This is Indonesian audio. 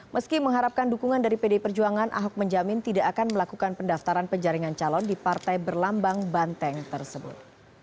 meski mengharapkan dukungan dari pdi perjuangan ahok menjamin tidak akan melakukan pendaftaran penjaringan calon di partai berlambang banteng tersebut